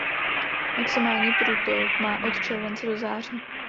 Maximální průtok má od července do září.